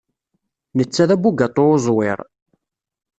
Netta d abugaṭu uẓwir.